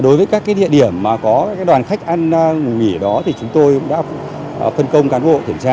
đối với các địa điểm mà có đoàn khách ăn ngủ nghỉ đó thì chúng tôi đã phân công cán bộ kiểm tra